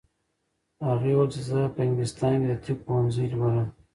هغې وویل چې زه په انګلستان کې د طب پوهنځی لولم.